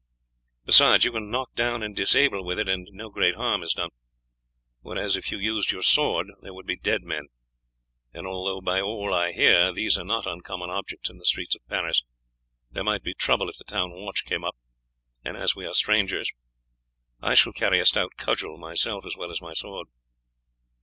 Besides, you can knock down and disable with it and no great harm is done, whereas if you used your sword there would be dead men; and although by all I hear these are not uncommon objects in the streets of Paris, there might be trouble if the town watch came up, as we are strangers. I shall carry a stout cudgel myself, as well as my sword."